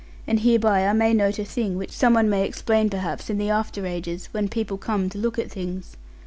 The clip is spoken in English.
And hereby I may note a thing which some one may explain perhaps in the after ages, when people come to look at things.